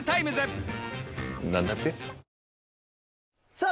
さあ